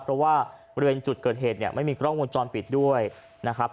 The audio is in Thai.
เพราะว่าเรือนจุดเกิดเหตุไม่มีกล้องมงจรปิดด้วยนะครับ